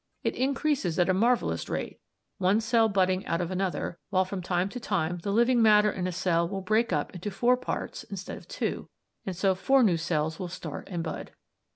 It increases at a marvellous rate, one cell budding out of another, while from time to time the living matter in a cell will break up into four parts instead of two, and so four new cells will start and bud.